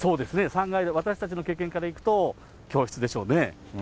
３階、私たちの経験からいうと、教室でしょうね。